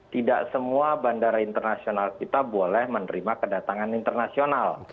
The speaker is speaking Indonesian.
tidak semua bandara internasional kita boleh menerima kedatangan internasional